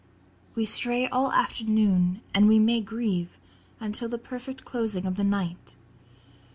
We stray all afternoon, and we may grieve Until the perfect closing of the night.